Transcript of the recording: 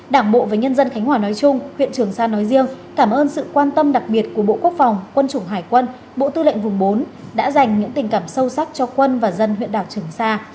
đảng bộ và nhân dân khánh hòa nói chung huyện trường sa nói riêng cảm ơn sự quan tâm đặc biệt của bộ quốc phòng quân chủng hải quân bộ tư lệnh vùng bốn đã dành những tình cảm sâu sắc cho quân và dân huyện đảo trường sa